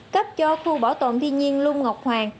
cấp cho khu bảo tồn thiên nhiên lung ngọc hoàng